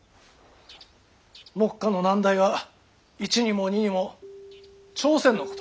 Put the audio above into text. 目下の難題は一にも二にも朝鮮のこと。